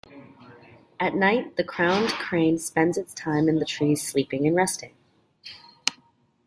At night, the crowned crane spends its time in the trees sleeping and resting.